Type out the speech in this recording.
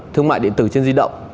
thương mại điện tử trên di động